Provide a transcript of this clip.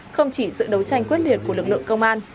không chỉ sự đấu tranh quyết liệt của lực lượng công an